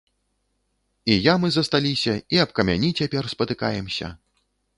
І ямы засталіся, і аб камяні цяпер спатыкаемся.